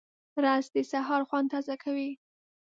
رس د سهار خوند تازه کوي